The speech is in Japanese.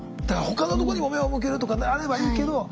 だから他のとこにも目を向けるとかあればいいけど。